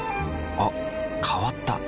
あ変わった。